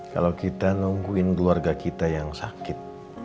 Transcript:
kalau kita nungguin keluarga kita yang sakit